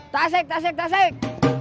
tasik tasik tasik